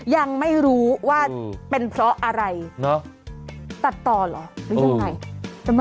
ยังไม่รู้ว่าเป็นเพราะอะไรตัดต่อเหรอหรือยังไง